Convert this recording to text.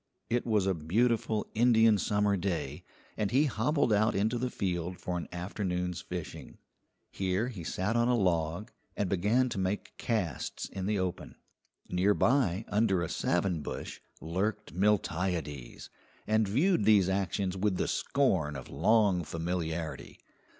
It was a beautiful Indian summer day, and he hobbled out into the field for an afternoon's fishing. Here he sat on a log, and began to make casts in the open. Nearby, under a savin bush, lurked Miltiades, and viewed these actions with the scorn of long familiarity.